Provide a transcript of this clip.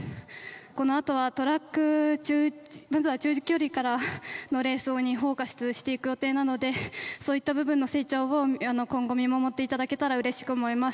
このあとはトラックまずは中距離からのレース用にフォーカスしていく予定なのでそういった部分の成長を今後見守っていただけたら嬉しく思います